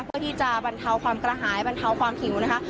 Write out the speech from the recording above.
เพื่อที่จะบรรเทาความกระหายบรรเทาความหิวนะคะ